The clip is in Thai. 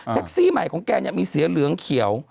แท็กซี่ใหม่ของแกเนี่ยมีเสียเหลืองเขียว